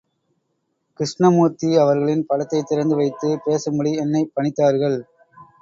கிருஷ்ணமூர்த்தி அவர்களின் படத்தைத் திறந்து வைத்து பேசும்படி என்னைப் பணித்தார்கள்.